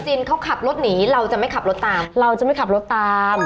เขาขับรถหนีเราจะไม่ขับรถตามเราจะไม่ขับรถตาม